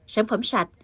sản phẩm sạch